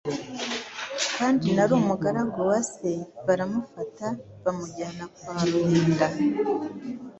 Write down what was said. kandi nari umugaragu wa se”. Baramufata bamujyana kwa Ruhinda.